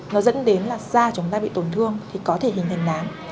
nó dẫn đến là da chúng ta bị tổn thương thì có thể hình thành nám